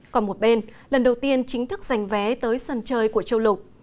còn một bên lần đầu tiên chính thức giành vé tới sân chơi của châu lục